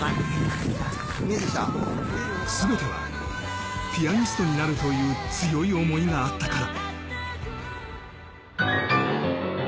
全てはピアニストになるという強い想いがあったから。